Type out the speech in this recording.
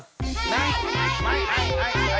はいはいはいはい！